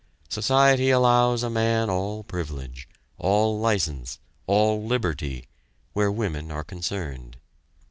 Society allows a man all privilege, all license, all liberty, where women are concerned.